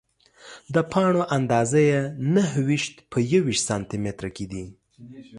د پاڼو اندازه یې نهه ویشت په یوویشت سانتي متره کې ده.